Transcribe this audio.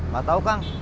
gak tau kang